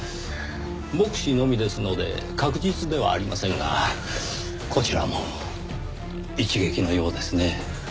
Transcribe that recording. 目視のみですので確実ではありませんがこちらも一撃のようですね。